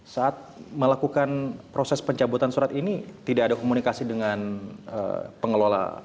saat melakukan proses pencabutan surat ini tidak ada komunikasi dengan pengelola